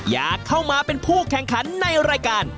อยากเข้ามาเป็นผู้แข่งขันในรายการ